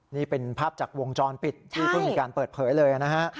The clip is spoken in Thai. นี่เป็นภาพจากวงจรปิดที่เพิ่งมีการเปิดเผยเลยนะฮะ